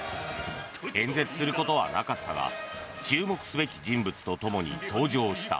演説することはなかったが注目すべき人物とともに登場した。